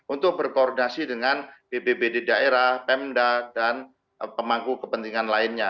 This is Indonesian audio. untuk berkoordinasi dengan bpbd daerah pemda dan pemangku kepentingan lainnya